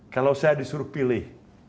kalau saya disuruh pilih